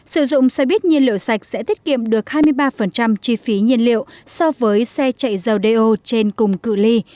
sử dụng xe buýt nhiên liệu sạch sẽ tiết kiệm được hai mươi ba chi phí nhiên liệu so với xe chạy dầu đeo trên cùng cự li